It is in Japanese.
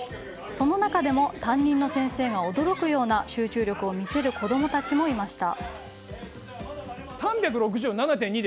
その中でも、担任の先生が驚くような集中力を見せる子供たちもいました。